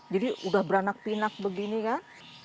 jadi udah beranak pinak begini kan